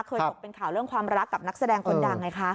ตกเป็นข่าวเรื่องความรักกับนักแสดงคนดังไงคะ